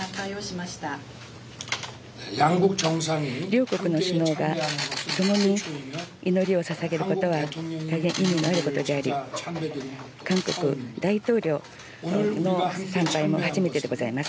両国の首脳が共に祈りをささげることは大変意味のあることであり、韓国大統領の参拝も初めてでございます。